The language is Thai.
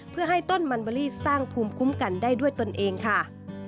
เพื่อให้ต้นมันเบอรี่สร้างภูมิคุ้มกันได้ด้วยตนเองค่ะ